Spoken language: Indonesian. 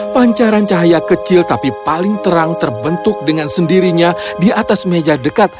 pancaran cahaya kecil tapi paling terang terbentuk dengan sendirinya di atas meja dekat